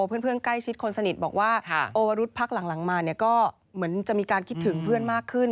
เพื่อนใกล้ชิดคนสนิทบอกว่าโอวรุธพักหลังมาก็เหมือนจะมีการคิดถึงเพื่อนมากขึ้น